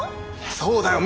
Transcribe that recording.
そうだよ。